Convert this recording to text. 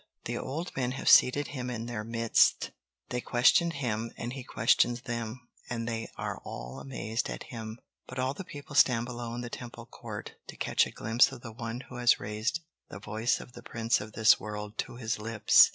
The old men have seated him in their midst. They question him and he questions them, and they are all amazed at him. But all the people stand below in the Temple court, to catch a glimpse of the one who has raised the Voice of the Prince of this World to his lips."